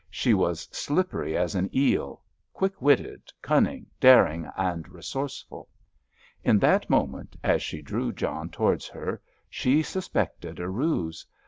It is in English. She was slippery as an eel—quick witted, cunning, daring and resourceful. In that moment, as she drew John towards her, she suspected a ruse.